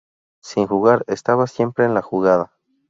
Sin jugar, estaba siempre en la jugada.